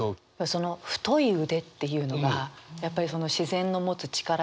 その「太い腕」っていうのがやっぱり自然の持つ力強さ